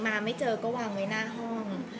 มาไม่เจอก็วางไว้หน้าห้อง